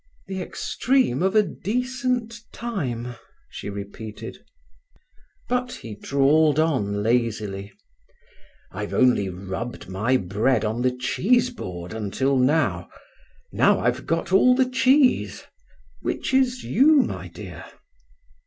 "The extreme of a decent time!" she repeated. But he drawled on lazily: "I've only rubbed my bread on the cheese board until now. Now I've got all the cheese—which is you, my dear."